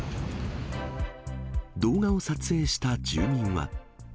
動画を撮影した住民は。